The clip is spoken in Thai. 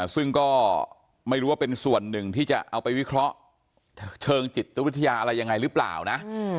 ซึ่งก็ไม่รู้ว่าเป็นส่วนหนึ่งที่จะเอาไปวิเคราะห์เชิงจิตวิทยาอะไรยังไงหรือเปล่านะ